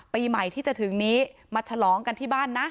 ปีใหม่ที่จะถึงนี้มาฉลองกันที่บ้านนะ